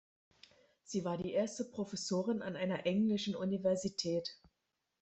Sie war die erste Professorin an einer englischen Universität.